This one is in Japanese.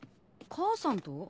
母さんと？